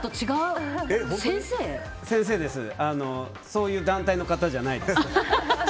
そういう団体の方じゃないです。